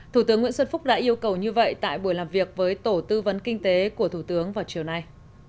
thủ tướng nguyễn xuân phúc đã yêu cầu như vậy tại buổi làm việc với tổ tư vấn kinh tế của thủ tướng vào chiều nay